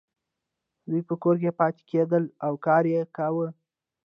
دوی په کور کې پاتې کیدلې او کار یې کاوه.